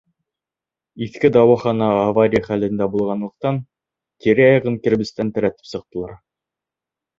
Иҫке дауахана авария хәлендә булғанлыҡтан, тирә-яғын кирбестән терәтеп сыҡтылар.